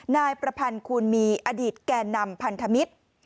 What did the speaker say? นายประพันธ์คูณมีอดีตแก่นำพันธมิตร